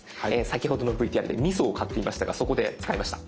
先ほどのＶＴＲでみそを買っていましたがそこで使いました。